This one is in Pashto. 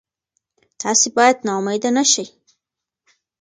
تاسي باید نا امیده نه شئ.